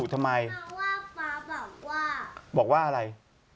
ดุทำไมบอกว่าอะไร